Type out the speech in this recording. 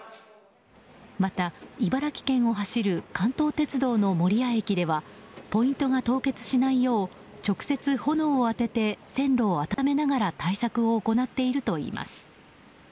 また、茨城県を走る関東鉄道の守谷駅ではポイントが凍結しないよう直接、炎を当てて線路を温めながら対策を行っているといいます。